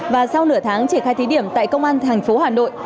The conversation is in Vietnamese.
và sau nửa tháng triển khai thí điểm tại công an thành phố hà nội